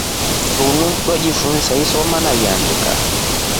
Linu tulifunsa isoma na iandika.